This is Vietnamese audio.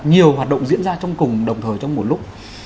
nhiều hoạt động diễn ra trong cùng đồng thời trong một lúc